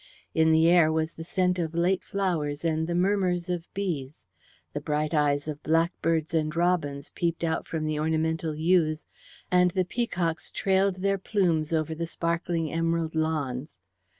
In the air was the scent of late flowers and the murmurs of bees; the bright eyes of blackbirds and robins peeped out from the ornamental yews, and the peacocks trailed their plumes over the sparkling emerald lawns.